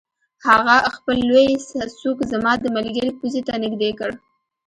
هغه خپل لوی سوک زما د ملګري پوزې ته نږدې کړ